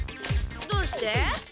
どうして？